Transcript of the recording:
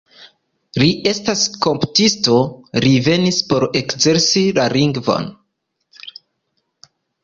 Li estas komputisto, li venis por ekzerci la lingvon.